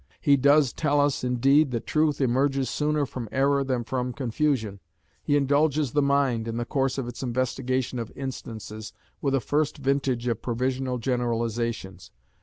He does tell us, indeed, that "truth emerges sooner from error than from confusion." He indulges the mind, in the course of its investigation of "Instances," with a first "vintage" of provisional generalisations.